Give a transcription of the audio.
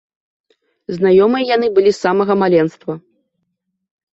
Знаёмыя яны былі з самага маленства.